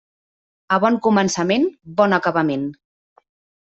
A bon començament, bon acabament.